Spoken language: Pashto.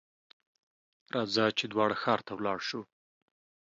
راځه ! چې دواړه ښار ته ولاړ شو.